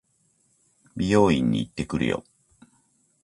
美容院に行ってくるよ。